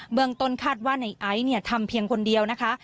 เมืองต้นคาดว่าในไอซ์เนี่ยทำเพียงคนเดียวนะคะ